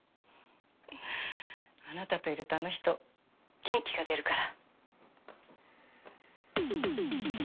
あなたといるとあの人元気が出るから。